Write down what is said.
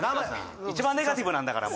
一番ネガティブなんだから。